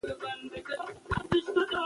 دویمه وجه دا چې الله تعالی د أسماء الحسنی،